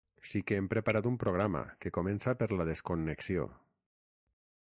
Sí que hem preparat un programa, que comença per la desconnexió.